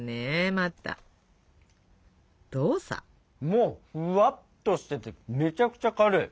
もうふわっとしててめちゃくちゃ軽い。